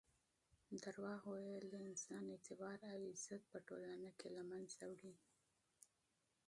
درواغ ویل د انسان اعتبار او عزت په ټولنه کې له منځه وړي.